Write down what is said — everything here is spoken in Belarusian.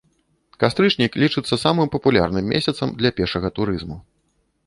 Кастрычнік лічыцца самым папулярным месяцам для пешага турызму.